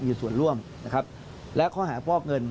มีส่วนร่วมนะครับและข้อหาฟอกเงิน